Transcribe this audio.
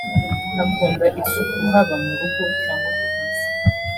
Akunda isuku haba mu rugo cyangwa ku kazi